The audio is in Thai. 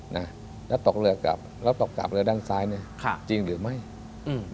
นะแล้วตกเรือกลับแล้วตกกลับเรือด้านซ้ายเนี้ยค่ะจริงหรือไม่อืม